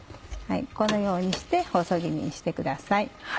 このようにして細切りにしてください。